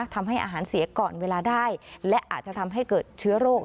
ทำให้อาหารเสียก่อนเวลาได้และอาจจะทำให้เกิดเชื้อโรค